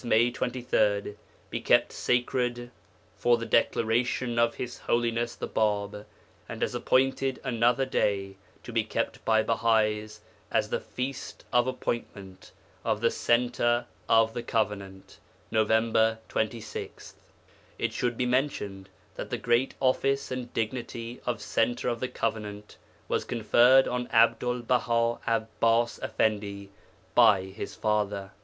May 23) be kept sacred for the declaration of His Holiness the Bāb, and has appointed another day to be kept by Bahais as the Feast of Appointment of the CENTRE OF THE COVENANT Nov. 26. It should be mentioned that the great office and dignity of Centre of the Covenant was conferred on Abdul Baha Abbas Effendi by His father.